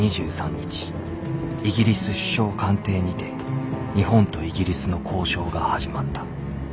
イギリス首相官邸にて日本とイギリスの交渉が始まった。